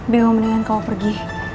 bimo mendingan kau pergi